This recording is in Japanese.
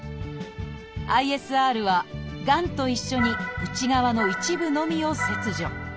ＩＳＲはがんと一緒に内側の一部のみを切除。